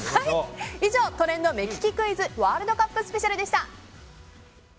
以上、トレンド目利きクイズワールドカップスペシャルでした。